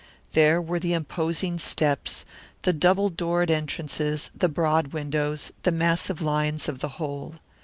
There were the imposing steps, the double doored entrances, the broad windows, the massive lines of the whole.